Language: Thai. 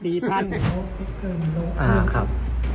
อ่าครับ